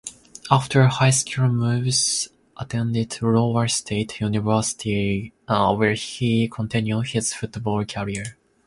After high school Moses attended Iowa State University where he continued his football career.